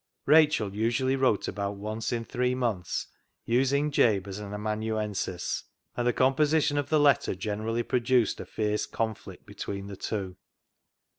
Rachel usually wrote about once in three months, using Jabe as an amanuensis, and the composition of the letter generally produced a fierce conflict between the two.